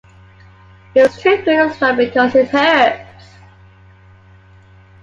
It's too good a story because it hurts.